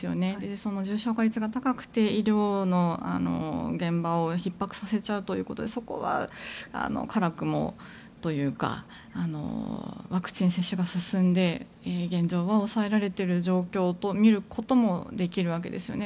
その重症化率が高くて医療の現場をひっ迫させちゃうということでそこは辛くもというかワクチン接種が進んで現状は抑えられている状況と見ることもできるわけですよね。